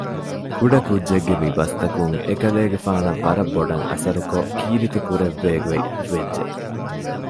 ކުޑަކުއްޖެއްގެ މިބަސްތަކުން އެކަލޭގެފާނަށް ވަރަށްބޮޑަށް އަސަރުކޮށް ކީރިތި ކުރެއްވޭގޮތް ވެއްޖެ